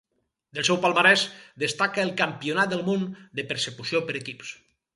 Del seu palmarès destaca el Campionat del món de persecució per equips.